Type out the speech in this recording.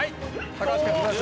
高橋君。